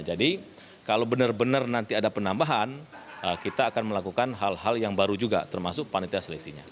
jadi kalau benar benar nanti ada penambahan kita akan melakukan hal hal yang baru juga termasuk panitia seleksinya